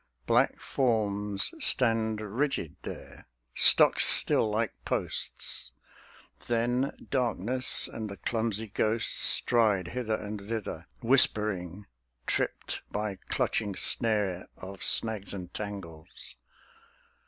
Black forms stand rigid there, Stock still like posts; then darkness, and the clumsy ghosts Stride hither and thither, whispering, tripped by clutching snare Of snags and tangles.